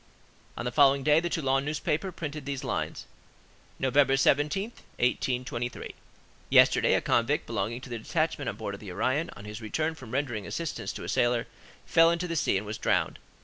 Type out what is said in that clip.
On the following day the Toulon newspaper printed these lines:— "Nov. 17, 1823. Yesterday, a convict belonging to the detachment on board of the Orion, on his return from rendering assistance to a sailor, fell into the sea and was drowned.